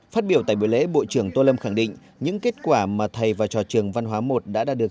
phát biểu tại buổi lễ bộ trưởng tô lâm khẳng định những kết quả mà thầy và trò trường văn hóa một đã đạt được